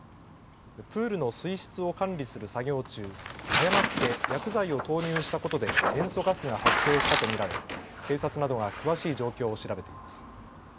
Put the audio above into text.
プールの水質を管理する作業中、誤って薬剤を投入したことで塩素ガスが発生したと見られ警察などが詳しい状況を調べています。